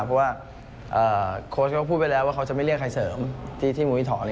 เพราะว่าโค้ชก็พูดไปแล้วว่าเขาจะไม่เรียกใครเสริมที่มุยถอน